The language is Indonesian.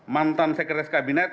mantan sekretaris kabinet